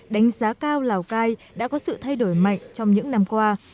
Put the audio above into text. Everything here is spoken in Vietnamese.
đánh giá cao lào cai đã có sự thay đổi mạnh trong những năm qua